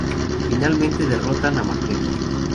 Finalmente derrotan a Magneto.